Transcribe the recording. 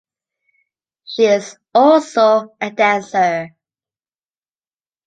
She is also a dancer.